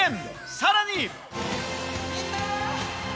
さらに。